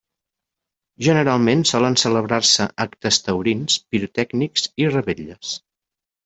Generalment, solen celebrar-se actes taurins, pirotècnics i revetlles.